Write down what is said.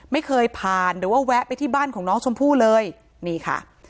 ไม่เคยผ่านหรือว่าแวะไปที่บ้านของน้องชมพู่เลยนี่ค่ะ